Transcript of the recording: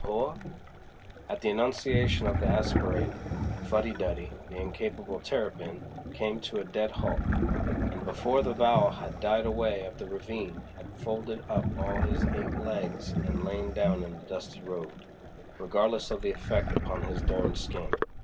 H woa!" At the enunciation of the aspirate, Fuddy Duddy, the incapable terrapin, came to a dead halt, and before the vowel had died away up the ravine had folded up all his eight legs and lain down in the dusty road, regardless of the effect upon his derned skin.